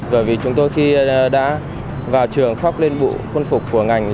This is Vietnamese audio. bởi vì chúng tôi khi đã vào trường khóc lên bộ quân phục của ngành